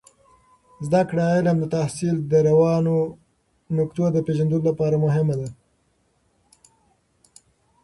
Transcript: زده کړه د علم د تحصیل د روانو نقطو د پیژندلو لپاره مهمه ده.